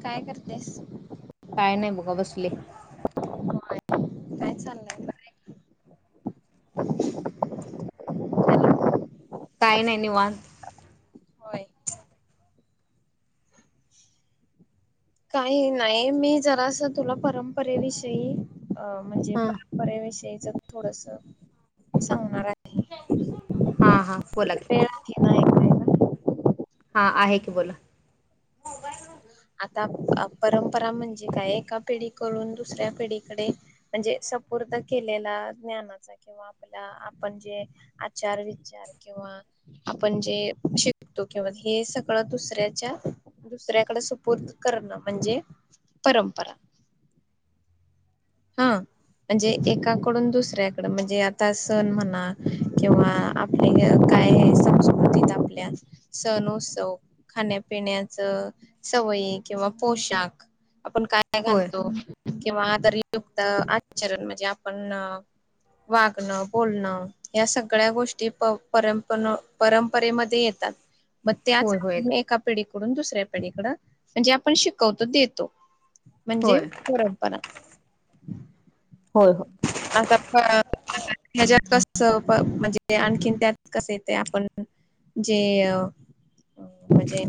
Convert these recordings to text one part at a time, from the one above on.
काय करतेस? काय नाही बघा बसले. काय चाललंय बर हाय का? काय नय निवांत. होय. काही नाही मी जरास तुला परंपरेविषयी अ म्हणजे हा परंपरेविषयीच थोडस सांगणार आहे. हा हा बोला की? वेळ आहे ना ऐकायला. हा आहे की बोला. आता परंपरा म्हणजे काय एका पिढीकडून दुसऱ्या पिढीकडे म्हणजेच सुपूर्त केलेला ज्ञानाचा किंवा आपला आपण जे आचार विचार किंवा आपण जे शिकतो किंवा हे सगळं दुसऱ्याच्या दुसऱ्याकडे सुपूर पूर्त करणं म्हणजे परंपरा. हा. म्हणजे एकाकडून दुसऱ्याकड म्हणजे आता सण म्हणा किंवा आपली तिथं आपल्या सण उत्सव खाण्यापिण्याच सवयी किंवा पोषण ताक, आपण काय होय घालतो किंवा दरी युक्त आचरण म्हणजे आपण वागणं बोलणं या सगळ्या गोष्टी प परंपर परंपरेमध्ये येतात म त्याच होय होय एका पिढी कडून दुसऱ्या पिढीकडं म्हणजे आपण शिकवतो देतो म्हणजे होय परंपरा. होय हो आता [unintelligible] ह्याच्यात कस म्हणजे आणखीन त्यात कसं येतय आपण जे अ, म्हणजे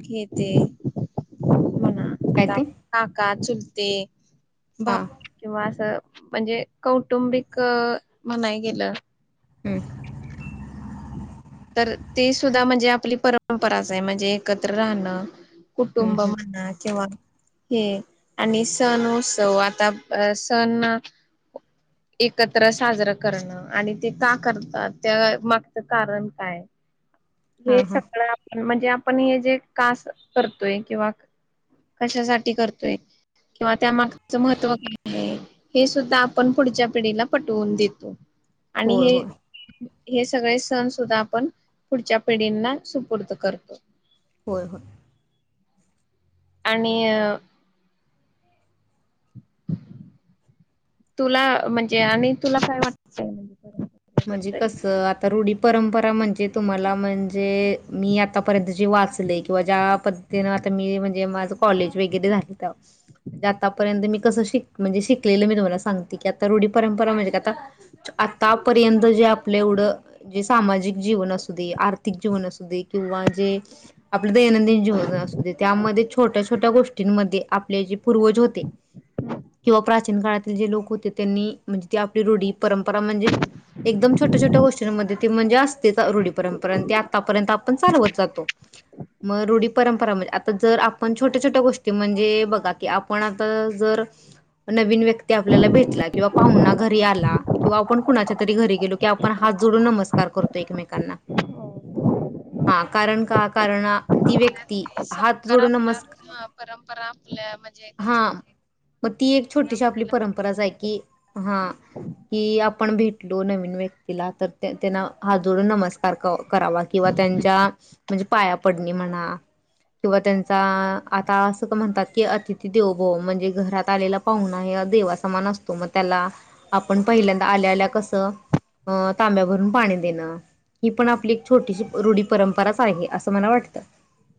घेते म्हणा काय आता ते काका चुलते, हा बाप किंवा असं म्हणजे कौटुंबिक म्हणाय गेलं. ह. तर ते सुद्धा म्हणजे आपली परंपराच आहे म्हणजे एकत्र राहणं. हम्म कुटुंब हम्म म्हणा किंवा हे आणि सण उत्सव तो आता सण एकत्र साजरां करणं आणि ते का करतात त्या मागच कारण काय? [inaudible] हे हा सगळं आपण म्हणजे आपण हे जे कास करतोय किंवा कशासाठी करतोय किंवा त्या माग च महत्त्व काय आहे हे सुद्धा आपण पुढच्या पिढीला पटवून देतो. हो आणि हे हो. हे सगळे सण सुद्धा आपण पुढच्या पिढींना सुपूर्द करतो. होय होय. आणि अ. तुला म्हणजे आणि तुला काय वाटतं? म्हणजे कसं? आता रुढी परंपरा- म्हणजे तुम्हाला म्हणजे, मी आतापर्यंत जे वाचलय किंवा ज्या पद्धतीन आ- म्हणजे माझं कॉलेज वगैरे झालं त. णे आतापर्यंत मी कसं शिक म्हणजे शिकलेलं मी तुम्हाला सांगते की आता रुढी परंपरा म्हणजे क आता आता पर्यंत जे आपल्या एवढं जे, सामाजिक जीवन असू दे आर्थिक जीवन असू दे किंवा जे- आपलं दैनंदिन जीवन असू दे. त्यामध्ये छोट्या छोट्या गोष्टींमध्ये आपले जे- पूर्वज होते किंवा प्राचीन काळातील जे लोक होते- त्यांनी म्हणजे, ती आपली रुढी परंपरा म्हणजे- एकदम छोट्या छोट्या गोष्टींमध्ये ते म्हणजे असतेच रुढी परंपरा. आणि ते आतापर्यंत आपण चालवत जातो. मग रुढी परंपरा म्हणजे, आता जर आपण छोट्या छोट्या गोष्टी म्हणजे बघा की आपण आता ज - नवीन व्यक्ती आपल्याला भेटला किंवा पाहुणा घरी आला किंवा आपण कुणाच्या - गेलो आपण हात जोडून नमस्कार- नमकार करतो एकमेकांना. हो ह. कारण का? कारण ती व्यक्- [unintelligible] आपल्यावर हा परंपरा आपल्या म्हणजे, हा एक- मग ती एक छोटीशी आपली परंपराच आहे की, हा. कि आपण भेट- नवीन व्यक्तीला तर त्यांना हात जोडून नमस्कार करावा किंवा त्यांच्या - पाया पडणी म्हणा. किंवा त्यांचा आता अस का म्हणतात की अतिथी देवो भव. म्हणजे घरात आलेला पाहुना आहे- देवा समान असतो. म त्याला आपण पहिल्यांदा आल्या आल्या कस - तांब्या भरून पाणी देण. ही पण हो आपली छोटीशी रुढी परंपराच - आहे असं मला वाटतं.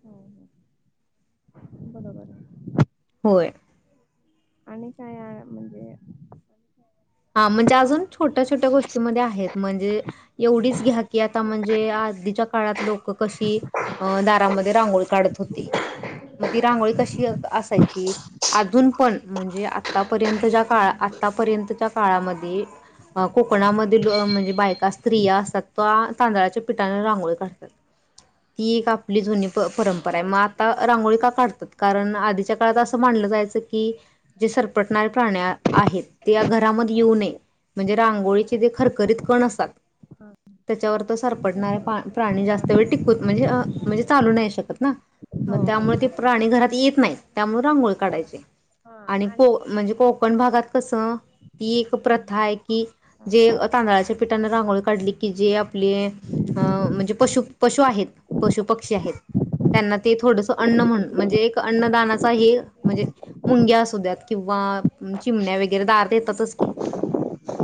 हो हो बरोबर आहे. होय. आणि काय म्हणजे? हा. म्हणजे अजून छोट्या छोट्या गोष्टीमध्ये आहेत. म्हणजे एवढीच घ्या की आ म्हणज- म्हणजे, आधीच्या काळात लोक कशी अ- दारामध्ये रांगोळी काढत होती. मग ती रांगोळी कशी असायची? अजून पण, म्हणजे आतापर्यंत ज्या काळात- आतापर्यंतच्या काळामध्ये- अ कोकणामधील म्हणजे बायका स्त्रिया असतात त तांदळाच्या पिठाने रांगोळी काढतात. ती एक आपली जुनी परंपरा आहे. मग आता रांगोळी का काढतात? कारण आधीच्या काळात असं मानलं- जायचं की जे सरपटणारे प्राणी आहेत. ते या घरामध्ये- येऊ नये. म्हणजे रांगोळीचे ते खरखरीत कण असतात- त्याच्यावर तर ते सरपडणारे प्राणी त्याच्यावरती जास्त वेळ टिकत हा. म्हणजे- म्हणजे चालू नाही शकत ना? मग हो हो. त्यामुळे ते प्राणी घरात येत नाहीत. त्यामुळे रांगोळी काढायचे. आणि को म्हणजे कोकण भागात कसं? ती एक प्रथा आहे. की हा. जे तांदळाच्या पिठाने रांगोळी काढली की जे आपले- अ म्हणजे पशु पशु आहेत. पशु पक्षी आहेत. त्यांना ते थोडस अन्न म्हण म्हणजे एक अन्नदानाचा हे म्हणजे मुंग्या असू द्यात किंवा- चिमण्या वगैरे दारात येतातच की.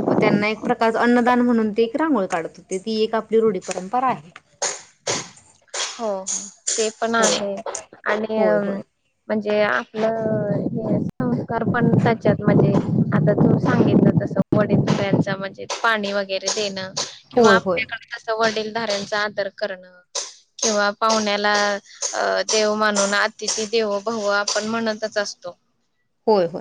मग त्यांना एक प्रकारच अन्नदान म्हणून ते एक रांगोळ काढत होते. ती एक आपली रूढी परंपरा आहे. [inaudible] हो ते पण होय आहे. होय आणि- होय म्हणजे- जे आपलं हे संस्कार पण त्याच्यात म्हणजे आता तू सांगितलं तस- [unintelligible] म्हणजे पाणी वगैरे देणं. किंवा होय होय आपल्याकडे कस वडीलधाऱ्यांचा आदर करणं. किंवा पाहुण्याला अ- देव मानून अतिथी देवो भव आपण म्हणतच असतो. होय होय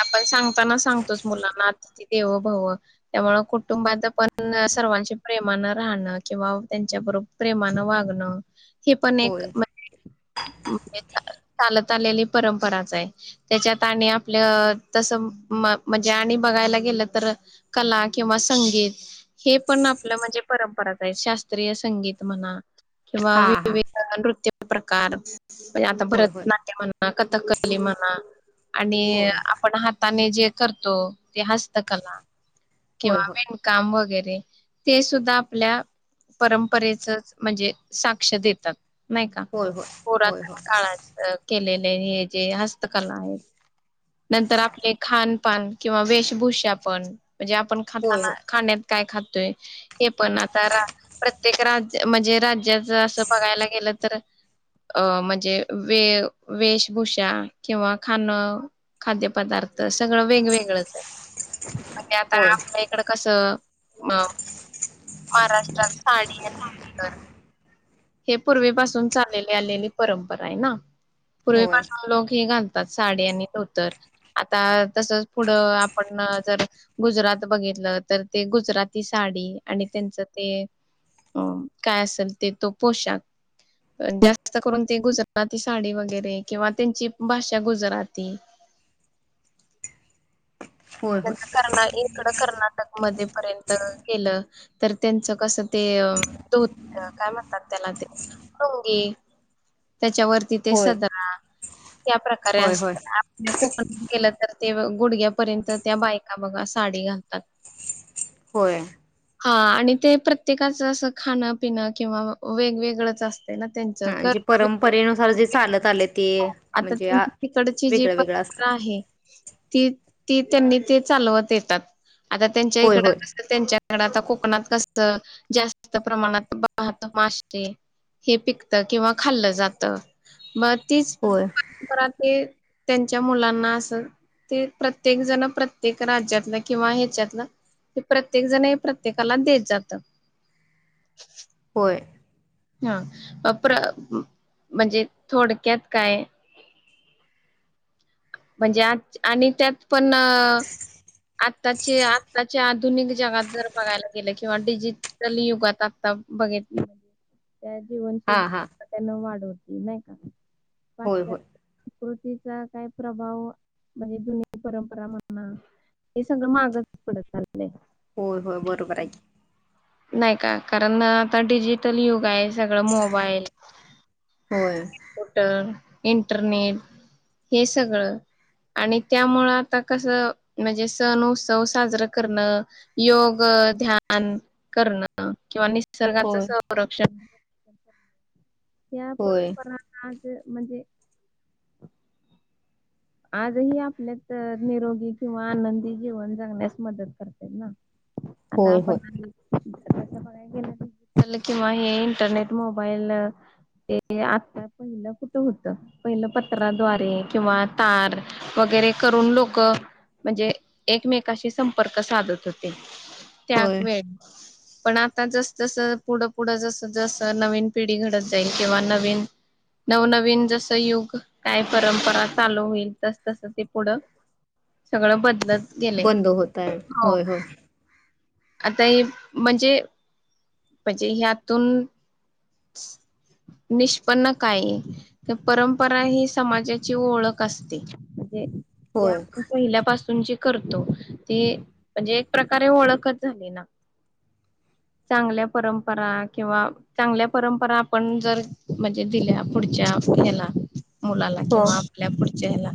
आपण सांगताना सांगतोच मुलांना आता- देवो भव त्यामुळे कुटुंबात पण सर्वांशी प्रेमानं राहणं किंवा त्यांच्या- बरोबर प्रेमानं वागणं हि पण एक होय [unintelligible] ली परंपराच आहे त्याच्यात आपल्या तस म्हणजे आणि बघायलाे. क किवा सं पण आप म्हण [unintelligible] संगीत म्हणा किंवा हा वि हा नृत्य प्रकार म्हणजे आता होय होय भरतनाट्य म्हणा कथकली म्हणा आणि होय आपण ह जे करतो ते हस्तकला होय किंवा होय विणकाम वगैरे ते सुद्धा आपल्या परंपरेच म्हणजे साक्ष देतात. नाही का होय होय होय पुरातन काळात केलेले हे जे हस्तकला आहे. नंतर आपले खानपान किंवा वेशभूषा पण म्हणजे आपण होय खाताना खाण्यात काय खात. हे पण आता प्रत्येक राज म्हणजे राज्यात ज असं बघायला गेलं तर, अ म्हणजे वे वेशभूषा किंवा खाण. खाद्यपदार्थ सगळं वेगवेगळंच आहे. म्हणजे आता होय आपल्या इकड कसं अ महाराष्ट्रात साडी आणि हे पूर्वीपासून चालली आलेली परंपरा आहे ना होय होय पूर्वीपासून लोक हे घाल साडी आणि धोतर, आता तसच पुढं आपण जर गुजरात बघित म्ह तर ते गुजराती साडी आणि त्यांचं ते अ काय असेल ते तो पोशाख. जास्त करून ते गुजराती साडी वगैरे किंवा त्यांची भाषा गुजराती होय न कर्ना इकडं कर्नाटक मध्ये र्यंत केलं तर त्यांच कस तेत. काय म्हणतात तेला तेंगी त्याच्या वरती ते होय सधरा. त्या प्रकारे होय होय होय असतात आप कोकण गे तर ते गुडग्यापर्यंत त्या बायका बघा साडी घालतात. होय. हा आणि ते प्रत्येकाच असं खाणं पिणं किंवा वेगवेगळंच असते ना त्यां च हा का जे [inaudible] परंपरेनुसार जे चालत आले ते आता म्हणजे त्यांची तिकडची जी वेगळं वेगळं असत. परंपरा आहे त्यांनी ते चालवत येतात आ त्यांच्या होय इक होय आता कोकणात कस जास्त प्रमाणात पाहत माशे हे पिकत किंवा खाल्लं जात मग तीच होय परंपरा ते त्यांच्या मुलांना असल ते प्रत्येक जण प्रत्येक राज्यातलं किंवा ह्याच्यातलं हे प्रत्येक जण हे प्रत्येकाला देत जात. होय. हा अप म्हणजे थोडक्यात काय म्हणजे आज आणि त्यात पण अ आताचे आत्ताच्या आधुनिक जगात जर बघायला गेले किंवा डिजिटल युगात आता बघितल. त्या हां हां जीवनशैली त्यांना वाढवती नाही का. हो हो. कृतीचा काय प्रभाव म्हणजे जुन परंपरा म्हणणा हे सगळं मागत पडत चाललं आहे. हो हो बरोबरायकी नाही का कारण आता डिजिटल युग आहे सगळं मोबाईल होय कप्युटर इंटरनेट हे सगळं आणि त्यामुळे आता कस म्हणजे सण उत्सव साजरं करणं, योग अ ध्यान करणं किंवा नी निसर्गाच होय संरक्षण या होय परंपरांना ते म्हणजे आजही आपल्यात निरोगी किंवा आनंदी जीवन जगण्यास मदत करतेत ना. आता होय होय आपण [unintelligible] [inaudible] [unintelligible] किंवा हे इंटरनेट, मोबाईल ते आता पहिलं कुठं होत? पहिलं पत्राद्वारे किंवा तार वगैरे करून लोकं म्हणजे एकमेकाशी संपर्क साधत होते. होय त्यावेेळी पण आता जस -जस पुढं -पुढं जस -जस नवीन पिढी घडत जाईल किंवा नवीन नवनवीन जसं युग काय परंपरा चालू होईल. तस -तस ते पुढं सगळं बदलत गेले बंद होताएत हो होय होय. आता हे म्हणजे, म्हणजे ह्यातून निष्पन्न काय? तर परंपरा ही समाजाची ओळख असते. म्हंजे जे होय आपण पहिल्यापासून ची करतो. ते म्हणजे एक प्रकारे ओळखच झाली ना. चांगल्या परंपरा किंवा चांगल्या परंपरा आपण जर म्हणजे दिल्या पुढच्या ह्याला मुलाला हो किंवा आपल्या पुढ पुढच्या ह्याला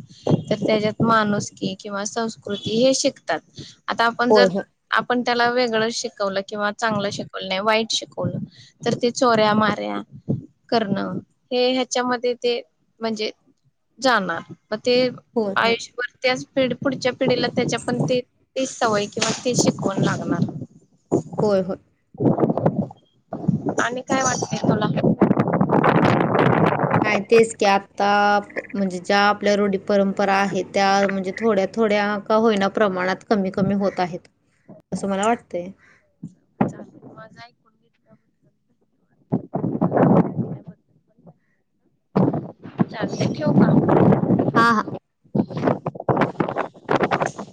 तर त्याच्यात माणुसकी किंवा संस्कृती हे शिकतात. आता आपण होय होय जर आपण, त्याला वेगळ शिकवलं किंवा चांगल शिकवलं नाही. वाईट शिकवलं, तर ते चोऱ्या- माऱ्या करणं. हे ह्याच्यामध्ये ते म्हजे जाणार मग ते होय होय आयुष्यभर त्याच पुढच्या पिढीला त्याच्या पण ते ती सवय किंवा ती शिकवण लागणार होय होय. आणि काय वाटतय तुला? नाही तेच की, आता म्हणजे ज्या आपल्या रूढी- परंपरा आहेत त्या म्हणजे थोड्या थोड्या का होईना प्रमाणात कमी कमी होत आहेत. असं मला वाटतय. माझं ऐकून घेतल्याबद्दल [inaudible] चालतय ठेऊ का? हा हा. [inaudible]